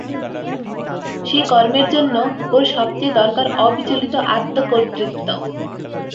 সেই কর্মের জন্য ওর সব চেয়ে দরকার অবিচলিত আত্মকর্তৃত্ব।